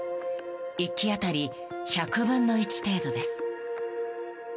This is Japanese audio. １機当たり１００分の１程度です。